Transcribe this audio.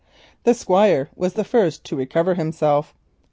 The Squire was the first to recover himself.